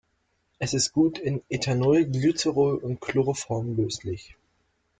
Es ist gut in Ethanol, Glycerol und Chloroform löslich.